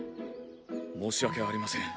申し訳ありません。